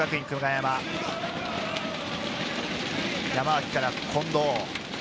山脇から近藤。